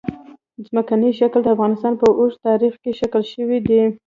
ځمکنی شکل د افغانستان په اوږده تاریخ کې ذکر شوی دی.